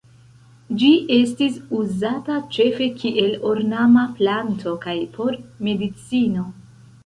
Ĝi estis uzata ĉefe kiel ornama planto kaj por medicino.